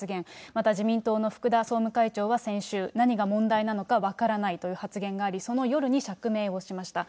また自民党の福田総務会長は先週、何が問題なのか分からないと発言があり、その夜に釈明をしました。